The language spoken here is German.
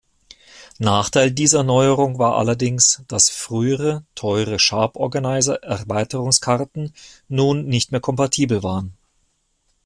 Nachteil dieser Neuerung war allerdings, dass frühere teure Sharp-Organizer-Erweiterungskarten nun nicht mehr kompatibel waren.